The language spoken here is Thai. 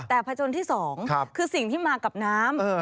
แต่ผจญที่๒คือสิ่งที่มากับน้ำ